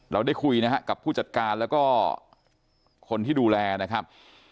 เราได้คุยนะครับกับผู้จัดการแล้วก็คนที่ดูแลนะครับ